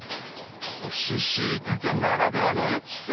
干ししいたけならではのエキス！